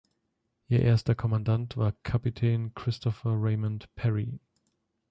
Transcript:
Ihr erster Kommandant war Kapitän Christopher Raymond Perry.